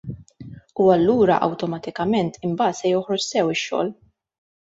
U allura awtomatikament imbagħad se joħroġ sew ix-xogħol.